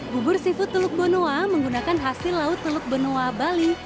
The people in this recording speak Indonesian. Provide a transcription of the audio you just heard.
bubur seafood teluk benoa menggunakan hasil laut teluk benoa bali